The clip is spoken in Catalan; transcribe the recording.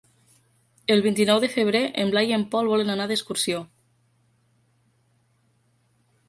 El vint-i-nou de febrer en Blai i en Pol volen anar d'excursió.